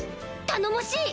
頼もしい！